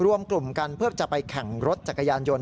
รวมกลุ่มกันเพื่อจะไปแข่งรถจักรยานยนต